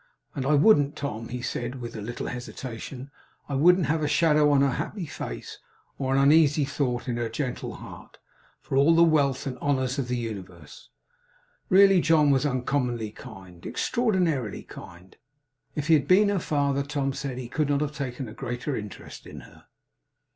'And I wouldn't, Tom,' he said, with a little hesitation, 'I wouldn't have a shadow on her happy face, or an uneasy thought in her gentle heart, for all the wealth and honours of the universe!' Really John was uncommonly kind; extraordinarily kind. If he had been her father, Tom said, he could not have taken a greater interest in her.